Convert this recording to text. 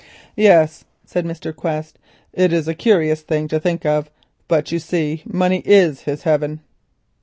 "Yes," said Mr. Quest, "it is a curious thing to think of, but, you see, money is his heaven."